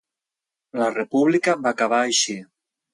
La república va acabar així.